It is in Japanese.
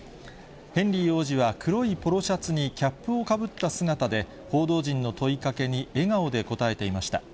ヘンリー王子は黒いポロシャツにキャップをかぶった姿で報道陣の問いかけに笑顔で応えていました。